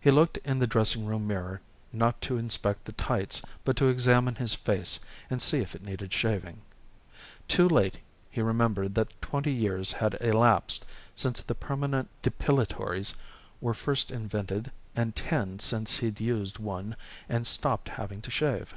He looked in the dressing room mirror not to inspect the tights but to examine his face and see if it needed shaving. Too late he remembered that twenty years had elapsed since the permanent depilatories were first invented and ten since he'd used one and stopped having to shave.